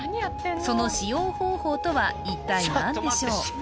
その使用方法とは一体何でしょう？